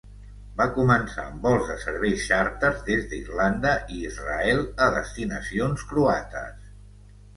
Va començar amb vols de serveis xàrter des d'Irlanda i Israel a destinacions croates.